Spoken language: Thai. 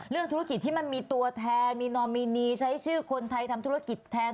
เรื่องธุรกิจที่มันมีตัวแทนมีนอมินีใช้ชื่อคนไทยทำธุรกิจแทน